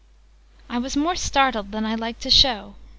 I was more startled than I liked to show.